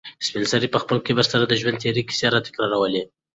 سپین سرې په خپل کبر سره د ژوند تېرې کیسې تکرارولې.